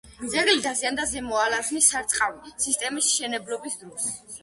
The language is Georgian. ძეგლი დაზიანდა ზემო ალაზნის სარწყავი სისტემის მშენებლობის დროს.